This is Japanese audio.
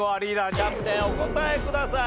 キャプテンお答えください。